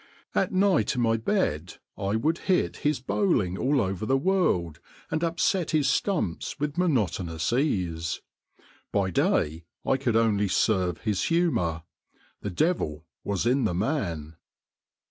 At night in my bed I would hit his bowling all over the world and upset his stumps with monotonous ease. By day I could only serve his humour. The devil was in the man.